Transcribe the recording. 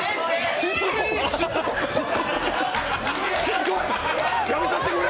しつこい！